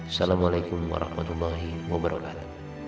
assalamualaikum warahmatullahi wabarakatuh